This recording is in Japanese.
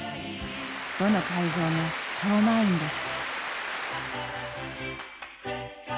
どの会場も超満員です。